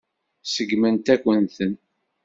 Seggment-akent-ten.